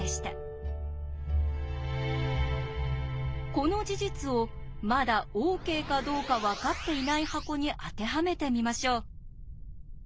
この事実をまだＯＫかどうか分かっていない箱に当てはめてみましょう。